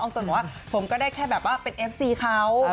ตนบอกว่าผมก็ได้แค่แบบว่าเป็นเอฟซีเขา